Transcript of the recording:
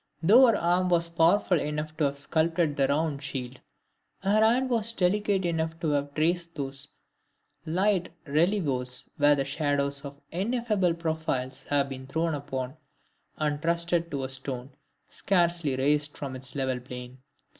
Though her arm was powerful enough to have sculptured the round shield, her hand was delicate enough to have traced those light relievos where the shadows of ineffaceable profiles have been thrown upon and trusted to a stone scarcely raised from its level plane.